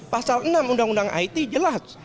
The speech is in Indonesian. pasal enam undang undang it jelas